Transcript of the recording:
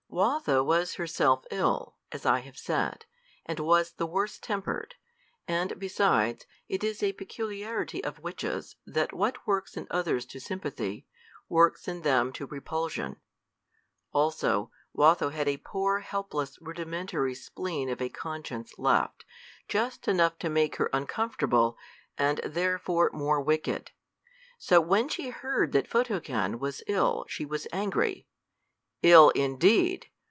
Watho was herself ill, as I have said, and was the worse tempered; and, besides, it is a peculiarity of witches that what works in others to sympathy, works in them to repulsion. Also, Watho had a poor, helpless, rudimentary spleen of a conscience left, just enough to make her uncomfortable, and therefore more wicked. So when she heard that Photogen was ill she was angry. Ill, indeed!